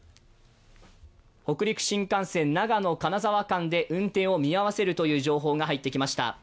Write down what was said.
北陸新幹線、長野−金沢間で運転を見合わせるという情報が入ってきました。